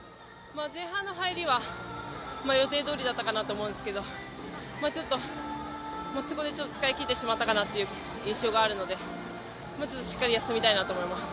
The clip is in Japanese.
前半の入りは予定どおりだったかなと思うんですけどちょっとそこで使い切ってしまったかなという印象があるので、もうちょっとしっかり休みたいなと思います。